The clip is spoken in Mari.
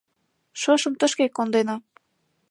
Шошым тышке кондена.